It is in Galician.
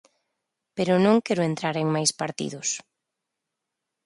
Pero non quero entrar en máis partidos.